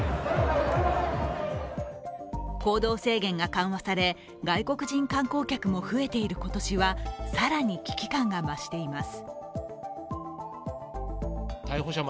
行動制限が緩和され、外国人観光客も増えている今年は更に危機感が増しています。